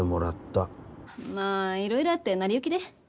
まあいろいろあって成り行きで。